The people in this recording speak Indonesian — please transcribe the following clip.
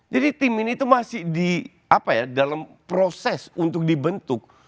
jadi tim ini itu masih di apa ya dalam proses untuk dibentuk